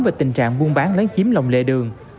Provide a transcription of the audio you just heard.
về tình trạng buôn bán lấy chiếm lồng lệ đường